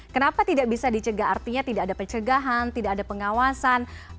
kenapa tidak bisa dicegah artinya tidak ada pencegahan tidak ada pengawasan